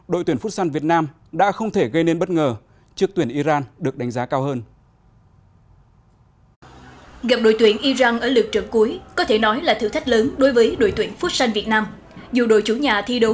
đội tuyển phút săn việt nam đã không thể gây nên bất ngờ trước tuyển iran được đánh giá cao hơn